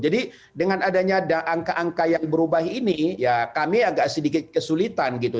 jadi dengan adanya angka angka yang berubah ini ya kami agak sedikit kesulitan gitu